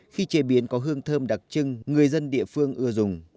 khi chế biến có hương thơm đặc trưng người dân địa phương ưa dùng